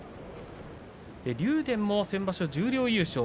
竜電も先場所十両優勝。